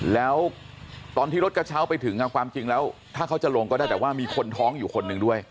แล้วตอนที่รถกระเช้าไปถึงความจริงแล้วถ้าเขาจะลงก็ได้แต่ว่ามีคนท้องอยู่คนหนึ่งด้วย